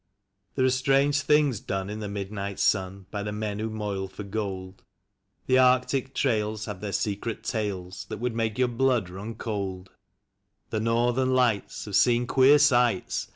There are strange tilings done in the midnight sun By the men who moil for gold; The Arctic trails have their secret tales That ivould mal'e your Mood run cold; The Northern Lights have seen queer sights.